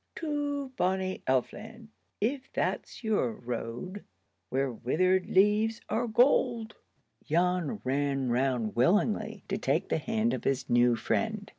To bonnie Elf land, if that's your road, where withered leaves are gold." Jan ran round willingly to take the hand of his new friend.